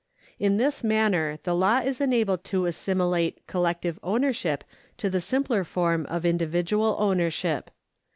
In this man ner the law is enabled to assimilate collective ownership to the simpler form of individual ownership.